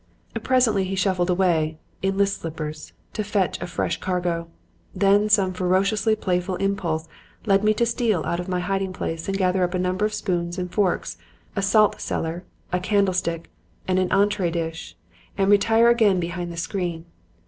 "Presently he shuffled away (in list slippers) to fetch a fresh cargo. Then some ferociously playful impulse led me to steal out of my hiding place and gather up a number of spoons and forks, a salt cellar, a candlestick and an entree dish and retire again behind the screen.